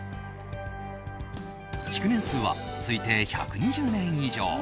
築年数は推定１２０年以上。